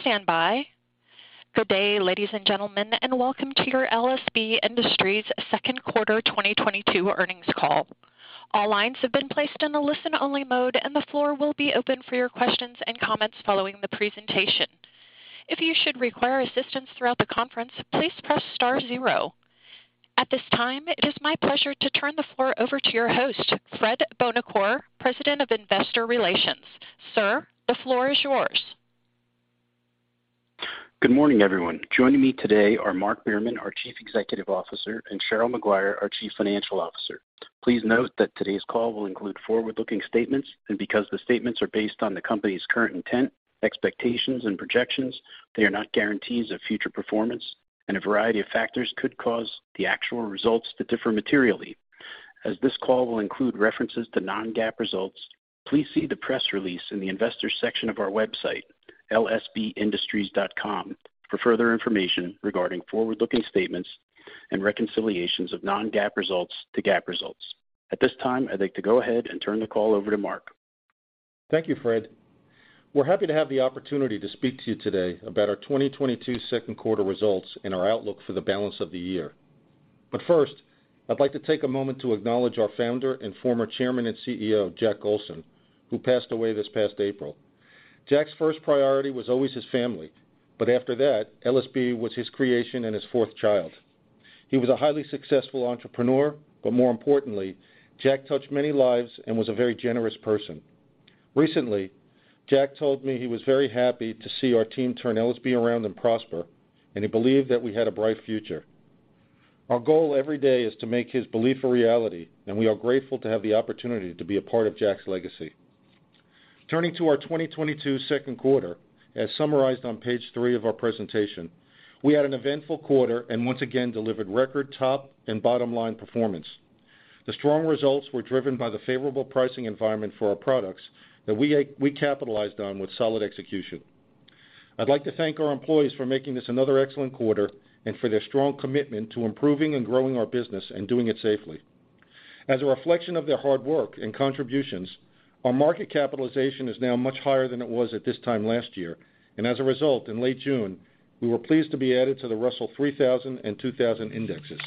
Please stand by. Good day, ladies and gentlemen, and welcome to your LSB Industries second quarter 2022 earnings call. All lines have been placed in a listen-only mode, and the floor will be open for your questions and comments following the presentation. If you should require assistance throughout the conference, please press star zero. At this time, it is my pleasure to turn the floor over to your host, Fred Buonocore, Vice President of Investor Relations. Sir, the floor is yours. Good morning, everyone. Joining me today are Mark Behrman, our Chief Executive Officer, and Cheryl Maguire, our Chief Financial Officer. Please note that today's call will include forward-looking statements, and because the statements are based on the company's current intent, expectations, and projections, they are not guarantees of future performance, and a variety of factors could cause the actual results to differ materially. As this call will include references to non-GAAP results, please see the press release in the investors section of our website, lsbindustries.com, for further information regarding forward-looking statements and reconciliations of non-GAAP results to GAAP results. At this time, I'd like to go ahead and turn the call over to Mark. Thank you, Fred. We're happy to have the opportunity to speak to you today about our 2022 second quarter results and our outlook for the balance of the year. First, I'd like to take a moment to acknowledge our founder and former Chairman and CEO, Jack Golsen, who passed away this past April. Jack's first priority was always his family, but after that, LSB was his creation and his fourth child. He was a highly successful entrepreneur, but more importantly, Jack touched many lives and was a very generous person. Recently, Jack told me he was very happy to see our team turn LSB around and prosper, and he believed that we had a bright future. Our goal every day is to make his belief a reality, and we are grateful to have the opportunity to be a part of Jack's legacy. Turning to our 2022 second quarter, as summarized on page three of our presentation, we had an eventful quarter and once again delivered record top and bottom-line performance. The strong results were driven by the favorable pricing environment for our products that we capitalized on with solid execution. I'd like to thank our employees for making this another excellent quarter and for their strong commitment to improving and growing our business and doing it safely. As a reflection of their hard work and contributions, our market capitalization is now much higher than it was at this time last year. As a result, in late June, we were pleased to be added to the Russell 3000 and 2000 indexes.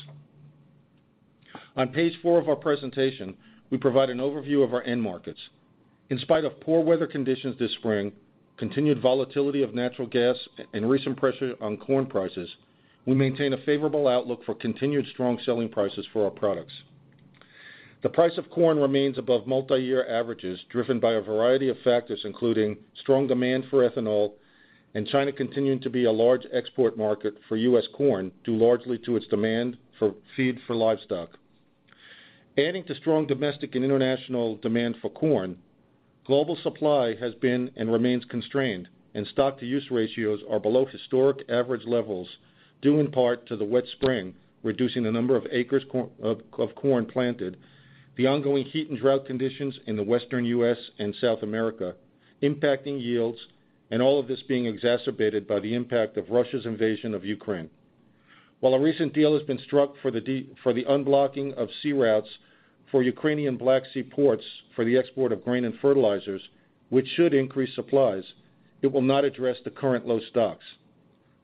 On page four of our presentation, we provide an overview of our end markets. In spite of poor weather conditions this spring, continued volatility of natural gas, and recent pressure on corn prices, we maintain a favorable outlook for continued strong selling prices for our products. The price of corn remains above multi-year averages, driven by a variety of factors, including strong demand for ethanol and China continuing to be a large export market for U.S. corn due largely to its demand for feed for livestock. Adding to strong domestic and international demand for corn, global supply has been and remains constrained, and stock-to-use ratios are below historic average levels due in part to the wet spring, reducing the number of acres of corn planted, the ongoing heat and drought conditions in the western U.S. and South America impacting yields, and all of this being exacerbated by the impact of Russia's invasion of Ukraine. While a recent deal has been struck for the unblocking of sea routes for Ukrainian Black Sea ports for the export of grain and fertilizers, which should increase supplies, it will not address the current low stocks.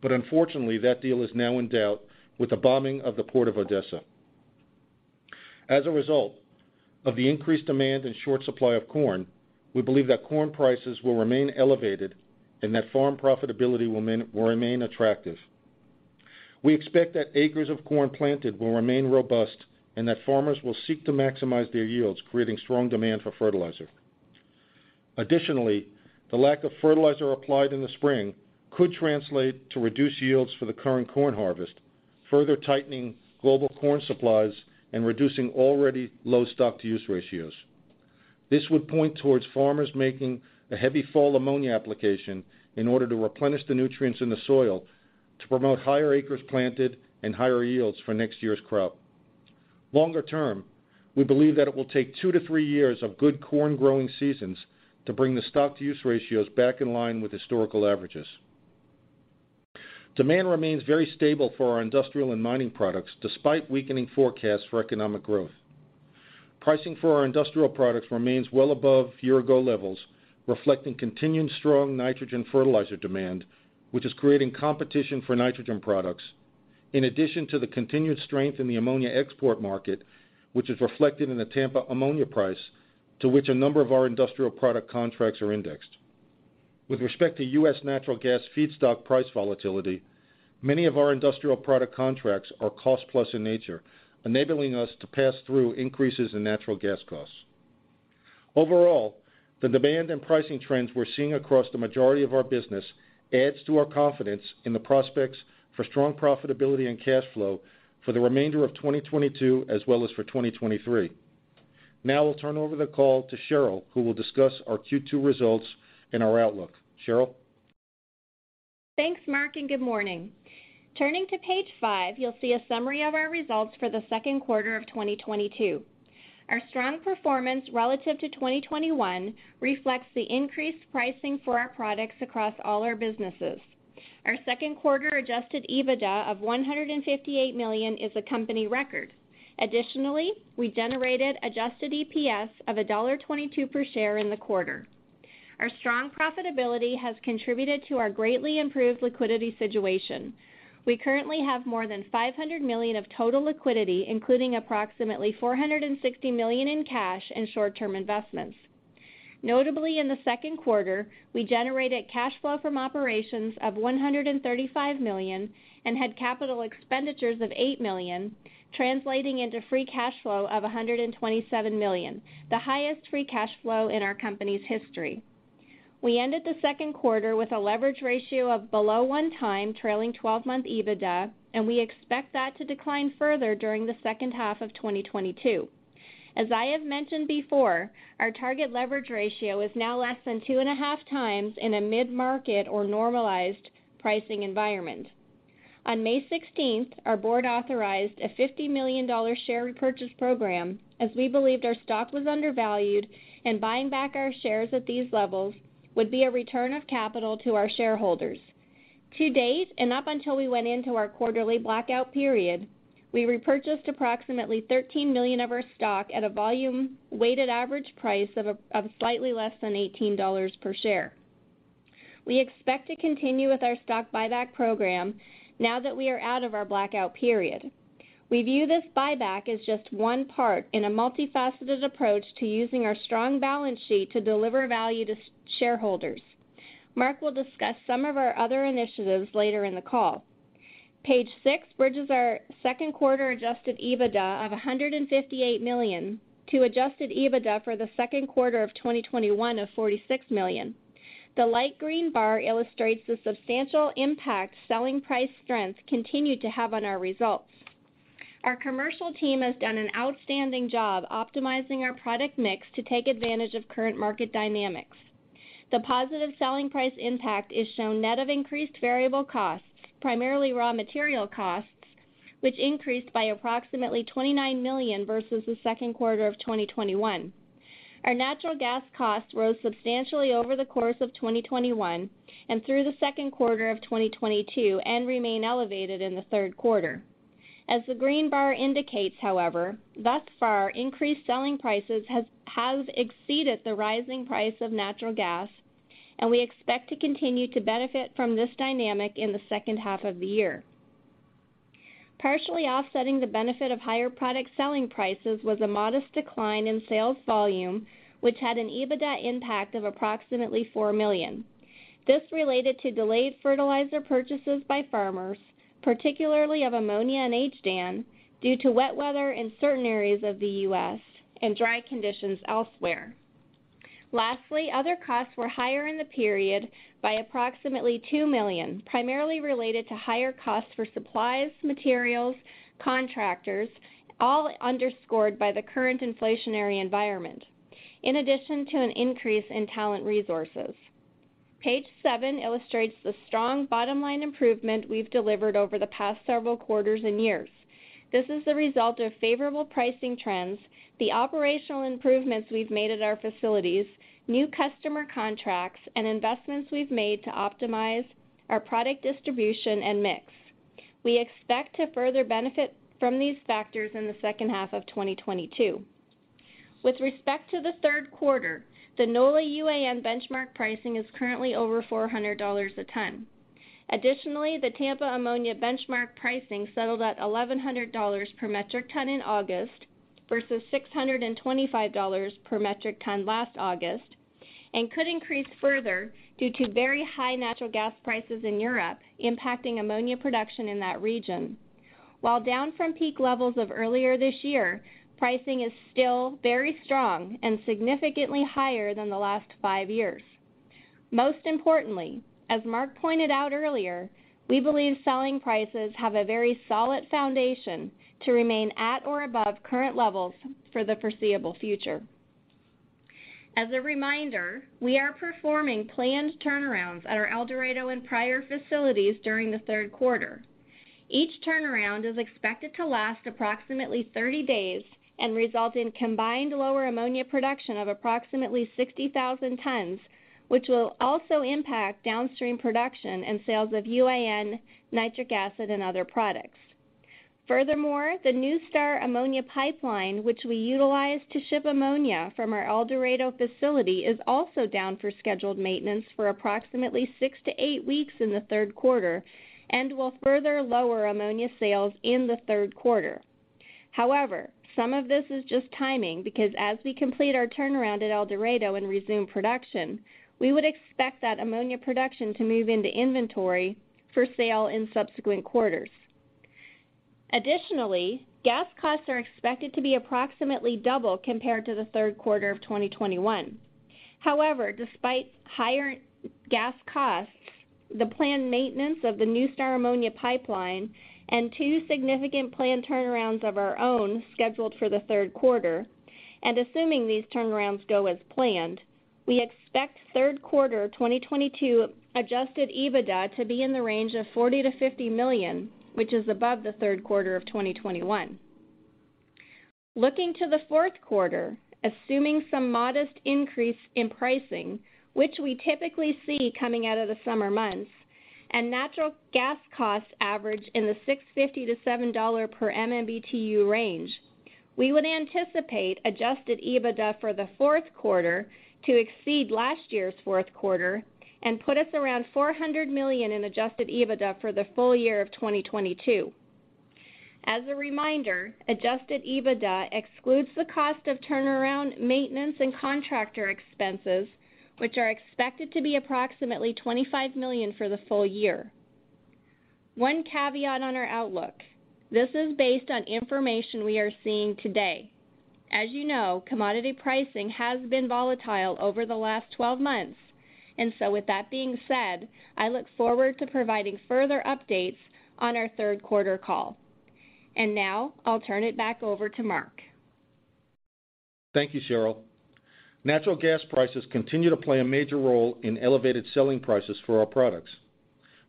Unfortunately, that deal is now in doubt with the bombing of the port of Odesa. As a result of the increased demand and short supply of corn, we believe that corn prices will remain elevated and that farm profitability will remain attractive. We expect that acres of corn planted will remain robust and that farmers will seek to maximize their yields, creating strong demand for fertilizer. Additionally, the lack of fertilizer applied in the spring could translate to reduced yields for the current corn harvest, further tightening global corn supplies and reducing already low stock-to-use ratios. This would point towards farmers making a heavy fall ammonia application in order to replenish the nutrients in the soil to promote higher acres planted and higher yields for next year's crop. Longer term, we believe that it will take two-three years of good corn growing seasons to bring the stock-to-use ratios back in line with historical averages. Demand remains very stable for our industrial and mining products, despite weakening forecasts for economic growth. Pricing for our industrial products remains well above year-ago levels, reflecting continued strong nitrogen fertilizer demand, which is creating competition for nitrogen products, in addition to the continued strength in the ammonia export market, which is reflected in the Tampa ammonia price to which a number of our industrial product contracts are indexed. With respect to U.S. natural gas feedstock price volatility, many of our industrial product contracts are cost plus in nature, enabling us to pass through increases in natural gas costs. Overall, the demand and pricing trends we're seeing across the majority of our business adds to our confidence in the prospects for strong profitability and cash flow for the remainder of 2022 as well as for 2023. Now I'll turn over the call to Cheryl, who will discuss our Q2 results and our outlook. Cheryl? Thanks, Mark, and good morning. Turning to page five, you'll see a summary of our results for the second quarter of 2022. Our strong performance relative to 2021 reflects the increased pricing for our products across all our businesses. Our second quarter adjusted EBITDA of $158 million is a company record. Additionally, we generated adjusted EPS of $1.22 per share in the quarter. Our strong profitability has contributed to our greatly improved liquidity situation. We currently have more than $500 million of total liquidity, including approximately $460 million in cash and short-term investments. Notably, in the second quarter, we generated cash flow from operations of $135 million and had capital expenditures of $8 million, translating into free cash flow of $127 million, the highest free cash flow in our company's history. We ended the second quarter with a leverage ratio of below 1x trailing 12-month EBITDA, and we expect that to decline further during the second half of 2022. As I have mentioned before, our target leverage ratio is now less than 2.5x in a mid-market or normalized pricing environment. On May 16th, our board authorized a $50 million share repurchase program as we believed our stock was undervalued and buying back our shares at these levels would be a return of capital to our shareholders. To date, and up until we went into our quarterly blackout period, we repurchased approximately 13 million of our stock at a volume weighted average price of slightly less than $18 per share. We expect to continue with our stock buyback program now that we are out of our blackout period. We view this buyback as just one part in a multifaceted approach to using our strong balance sheet to deliver value to shareholders. Mark will discuss some of our other initiatives later in the call. Page six bridges our second quarter adjusted EBITDA of $158 million to adjusted EBITDA for the second quarter of 2021 of $46 million. The light green bar illustrates the substantial impact selling price strength continued to have on our results. Our commercial team has done an outstanding job optimizing our product mix to take advantage of current market dynamics. The positive selling price impact is shown net of increased variable costs, primarily raw material costs, which increased by approximately $29 million versus the second quarter of 2021. Our natural gas costs rose substantially over the course of 2021 and through the second quarter of 2022 and remain elevated in the third quarter. As the green bar indicates, however, thus far, increased selling prices have exceeded the rising price of natural gas, and we expect to continue to benefit from this dynamic in the second half of the year. Partially offsetting the benefit of higher product selling prices was a modest decline in sales volume, which had an EBITDA impact of approximately $4 million. This related to delayed fertilizer purchases by farmers, particularly of ammonia and HDAN, due to wet weather in certain areas of the U.S. and dry conditions elsewhere. Lastly, other costs were higher in the period by approximately $2 million, primarily related to higher costs for supplies, materials, contractors, all underscored by the current inflationary environment, in addition to an increase in talent resources. Page seven illustrates the strong bottom line improvement we've delivered over the past several quarters and years. This is the result of favorable pricing trends, the operational improvements we've made at our facilities, new customer contracts, and investments we've made to optimize our product distribution and mix. We expect to further benefit from these factors in the second half of 2022. With respect to the third quarter, the NOLA UAN benchmark pricing is currently over $400 a ton. Additionally, the Tampa ammonia benchmark pricing settled at $1,100 per metric ton in August versus $625 per metric ton last August and could increase further due to very high natural gas prices in Europe impacting ammonia production in that region. While down from peak levels of earlier this year, pricing is still very strong and significantly higher than the last five years. Most importantly, as Mark pointed out earlier, we believe selling prices have a very solid foundation to remain at or above current levels for the foreseeable future. As a reminder, we are performing planned turnarounds at our El Dorado and Pryor facilities during the third quarter. Each turnaround is expected to last approximately 30 days and result in combined lower ammonia production of approximately 60,000 tons, which will also impact downstream production and sales of UAN, nitric acid, and other products. Furthermore, the NuStar ammonia pipeline, which we utilize to ship ammonia from our El Dorado facility, is also down for scheduled maintenance for approximately six-eight weeks in the third quarter and will further lower ammonia sales in the third quarter. However, some of this is just timing because as we complete our turnaround at El Dorado and resume production, we would expect that ammonia production to move into inventory for sale in subsequent quarters. Additionally, gas costs are expected to be approximately double compared to the third quarter of 2021. However, despite higher gas costs, the planned maintenance of the NuStar ammonia pipeline and two significant planned turnarounds of our own scheduled for the third quarter, and assuming these turnarounds go as planned, we expect third quarter 2022 adjusted EBITDA to be in the range of $40 million-$50 million, which is above the third quarter of 2021. Looking to the fourth quarter, assuming some modest increase in pricing, which we typically see coming out of the summer months, and natural gas costs average in the $6.50-$7 per MMBtu range, we would anticipate adjusted EBITDA for the fourth quarter to exceed last year's fourth quarter and put us around $400 million in adjusted EBITDA for the full year of 2022. As a reminder, adjusted EBITDA excludes the cost of turnaround maintenance and contractor expenses, which are expected to be approximately $25 million for the full year. One caveat on our outlook, this is based on information we are seeing today. As you know, commodity pricing has been volatile over the last 12 months. Now I'll turn it back over to Mark. Thank you, Cheryl. Natural gas prices continue to play a major role in elevated selling prices for our products.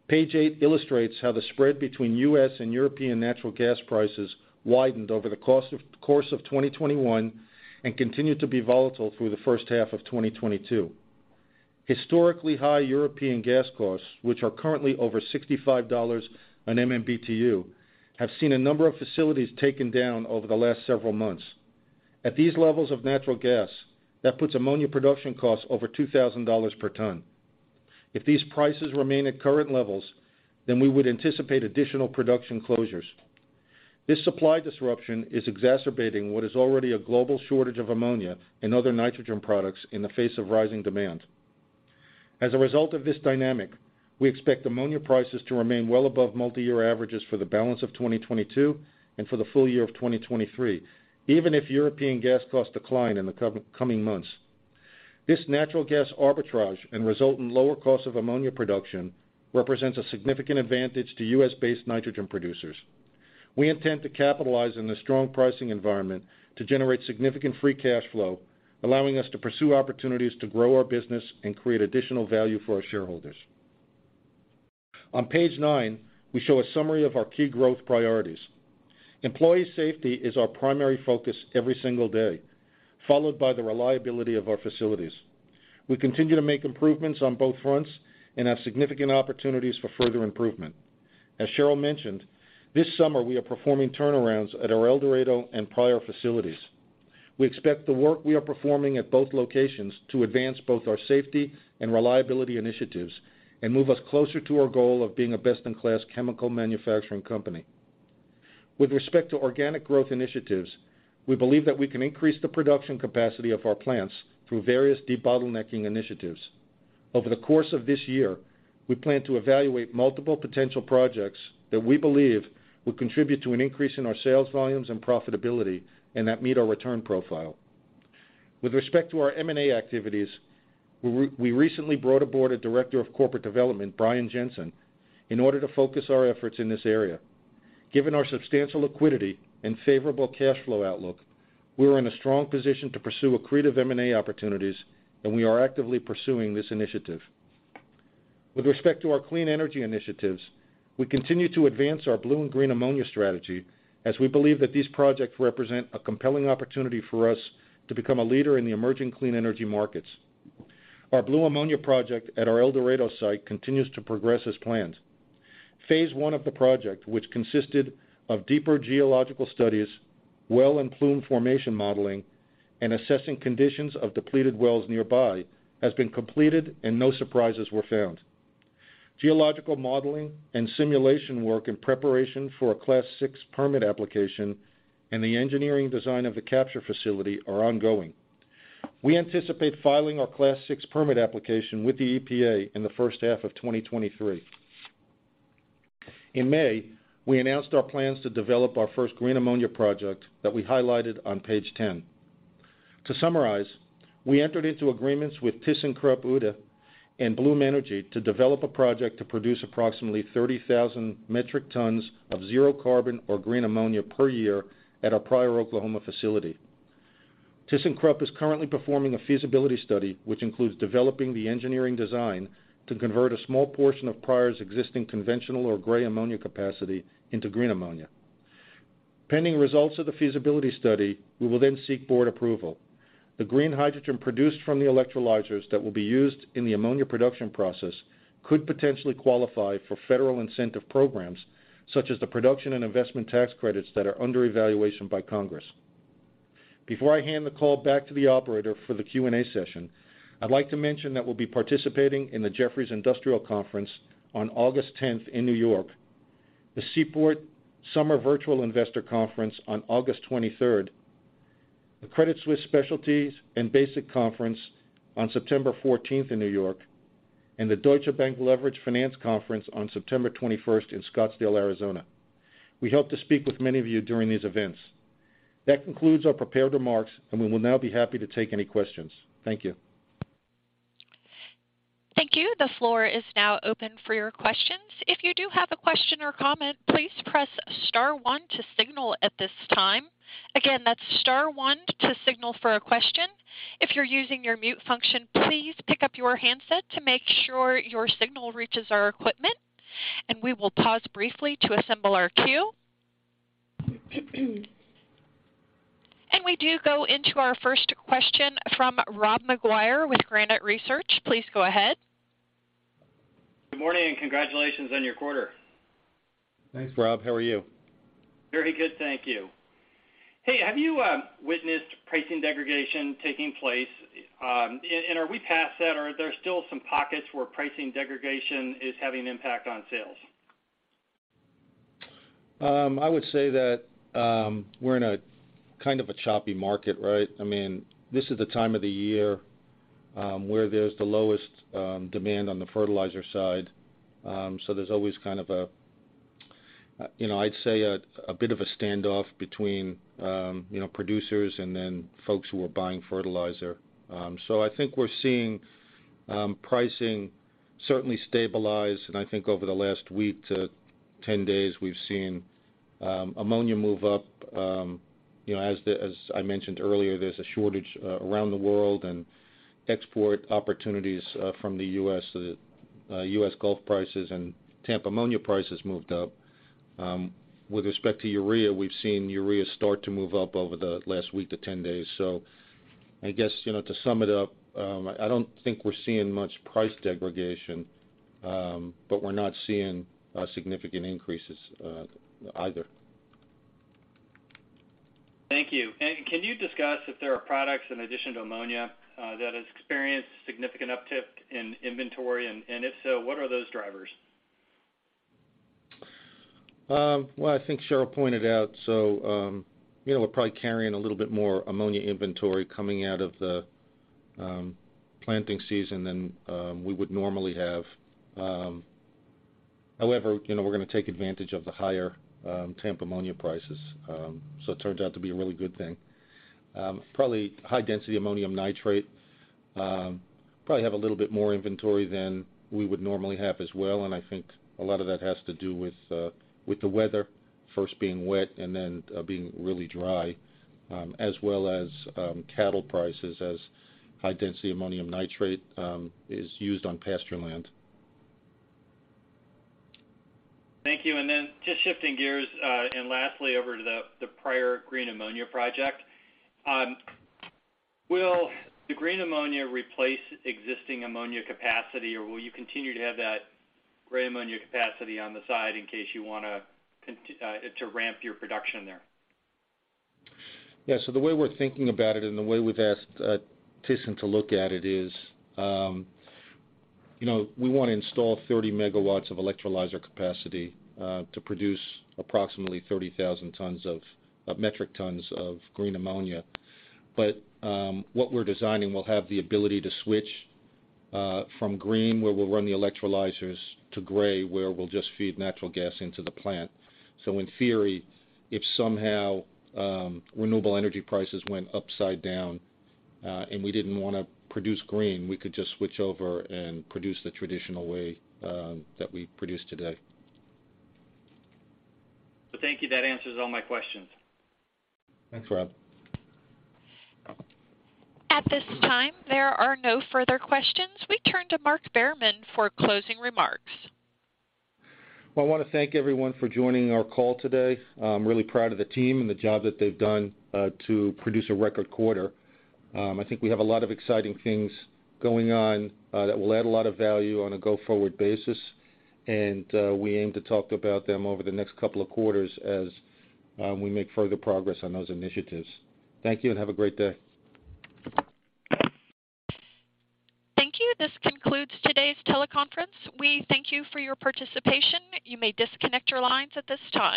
Page eight illustrates how the spread between U.S. and European natural gas prices widened over the course of 2021 and continued to be volatile through the first half of 2022. Historically high European gas costs, which are currently over $65 per MMBtu, have seen a number of facilities taken down over the last several months. At these levels of natural gas, that puts ammonia production costs over $2,000 per ton. If these prices remain at current levels, then we would anticipate additional production closures. This supply disruption is exacerbating what is already a global shortage of ammonia and other nitrogen products in the face of rising demand. As a result of this dynamic, we expect ammonia prices to remain well above multiyear averages for the balance of 2022 and for the full year of 2023, even if European gas costs decline in the coming months. This natural gas arbitrage and result in lower cost of ammonia production represents a significant advantage to U.S.-based nitrogen producers. We intend to capitalize on the strong pricing environment to generate significant free cash flow, allowing us to pursue opportunities to grow our business and create additional value for our shareholders. On page nine, we show a summary of our key growth priorities. Employee safety is our primary focus every single day, followed by the reliability of our facilities. We continue to make improvements on both fronts and have significant opportunities for further improvement. As Cheryl mentioned, this summer we are performing turnarounds at our El Dorado and Pryor facilities. We expect the work we are performing at both locations to advance both our safety and reliability initiatives and move us closer to our goal of being a best-in-class chemical manufacturing company. With respect to organic growth initiatives, we believe that we can increase the production capacity of our plants through various debottlenecking initiatives. Over the course of this year, we plan to evaluate multiple potential projects that we believe will contribute to an increase in our sales volumes and profitability and that meet our return profile. With respect to our M&A activities, we recently brought aboard a director of corporate development, Brian Jensen, in order to focus our efforts in this area. Given our substantial liquidity and favorable cash flow outlook, we are in a strong position to pursue accretive M&A opportunities, and we are actively pursuing this initiative. With respect to our clean energy initiatives, we continue to advance our blue and green ammonia strategy as we believe that these projects represent a compelling opportunity for us to become a leader in the emerging clean energy markets. Our blue ammonia project at our El Dorado site continues to progress as planned. Phase one of the project, which consisted of deeper geological studies, well and plume formation modeling, and assessing conditions of depleted wells nearby, has been completed and no surprises were found. Geological modeling and simulation work in preparation for a Class VI permit application and the engineering design of the capture facility are ongoing. We anticipate filing our Class VI permit application with the EPA in the first half of 2023. In May, we announced our plans to develop our first green ammonia project that we highlighted on page 10. To summarize, we entered into agreements with thyssenkrupp Uhde and Bloom Energy to develop a project to produce approximately 30,000 metric tons of zero carbon or green ammonia per year at our Pryor, Oklahoma facility. Thyssenkrupp is currently performing a feasibility study, which includes developing the engineering design to convert a small portion of Pryor's existing conventional or gray ammonia capacity into green ammonia. Pending results of the feasibility study, we will then seek board approval. The green hydrogen produced from the electrolyzers that will be used in the ammonia production process could potentially qualify for federal incentive programs such as the production and investment tax credits that are under evaluation by Congress. Before I hand the call back to the operator for the Q&A session, I'd like to mention that we'll be participating in the Jefferies Industrials Conference on August 10th in New York, the Seaport Summer Virtual Investor Conference on August 23rd, the Credit Suisse Specialties and Basics Conference on September 14th in New York, and the Deutsche Bank Leveraged Finance Conference on September 21st in Scottsdale, Arizona. We hope to speak with many of you during these events. That concludes our prepared remarks, and we will now be happy to take any questions. Thank you. Thank you. The floor is now open for your questions. If you do have a question or comment, please press star one to signal at this time. Again, that's star one to signal for a question. If you're using your mute function, please pick up your handset to make sure your signal reaches our equipment. We will pause briefly to assemble our queue. We do go into our first question from Rob McGuire with Granite Research. Please go ahead. Good morning, and congratulations on your quarter. Thanks, Rob. How are you? Very good, thank you. Hey, have you witnessed pricing degradation taking place? Are we past that, or are there still some pockets where pricing degradation is having an impact on sales? I would say that we're in a kind of a choppy market, right? I mean, this is the time of the year where there's the lowest demand on the fertilizer side, so there's always kind of a, you know, I'd say a bit of a standoff between, you know, producers and then folks who are buying fertilizer. I think we're seeing pricing certainly stabilize. I think over the last week to 10 days, we've seen ammonia move up. You know, as I mentioned earlier, there's a shortage around the world, and export opportunities from the U.S. U.S. Gulf prices and Tampa ammonia prices moved up. With respect to urea, we've seen urea start to move up over the last week to 10 days. I guess, you know, to sum it up, I don't think we're seeing much price degradation, but we're not seeing significant increases, either. Thank you. Can you discuss if there are products in addition to ammonia, that has experienced significant uptick in inventory? If so, what are those drivers? Well, I think Cheryl pointed out, so you know, we're probably carrying a little bit more ammonia inventory coming out of the planting season than we would normally have. However, you know, we're gonna take advantage of the higher Tampa ammonia prices. It turns out to be a really good thing. Probably high density ammonium nitrate, probably have a little bit more inventory than we would normally have as well. I think a lot of that has to do with the weather first being wet and then being really dry, as well as cattle prices as high density ammonium nitrate is used on pasture land. Thank you. Just shifting gears, and lastly over to the prior green ammonia project. Will the green ammonia replace existing ammonia capacity, or will you continue to have that gray ammonia capacity on the side in case you wanna to ramp your production there? The way we're thinking about it and the way we've asked thyssenkrupp to look at it is, you know, we wanna install 30 MW of electrolyzer capacity to produce approximately 30,000 tons of metric tons of green ammonia. What we're designing will have the ability to switch from green, where we'll run the electrolyzers, to gray, where we'll just feed natural gas into the plant. In theory, if somehow renewable energy prices went upside down and we didn't wanna produce green, we could just switch over and produce the traditional way that we produce today. Thank you. That answers all my questions. Thanks, Rob. At this time, there are no further questions. We turn to Mark Behrman for closing remarks. Well, I wanna thank everyone for joining our call today. I'm really proud of the team and the job that they've done to produce a record quarter. I think we have a lot of exciting things going on that will add a lot of value on a go-forward basis, and we aim to talk about them over the next couple of quarters as we make further progress on those initiatives. Thank you, and have a great day. Thank you. This concludes today's teleconference. We thank you for your participation. You may disconnect your lines at this time.